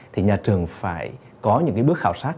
thì nhà trường phải có những bước khảo sát